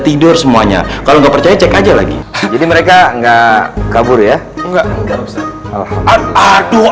tidur semuanya kalau nggak percaya cek aja lagi jadi mereka enggak kabur ya enggak enggak aku